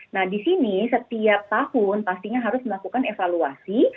nah di sini setiap tahun pastinya harus melakukan evaluasi